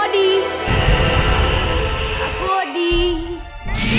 jadi aku diangkas